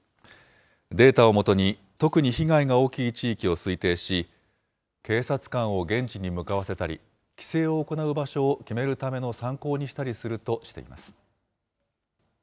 データを基に特に被害が大きい地域を推定し、警察官を現地に向かわせたり、規制を行う場所を決めるための参考にしたりするとしています。